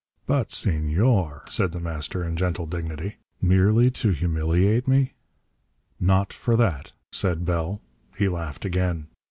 "But Senor," said The Master in gentle dignity, "merely to humiliate me " "Not for that," said Bell. He laughed again.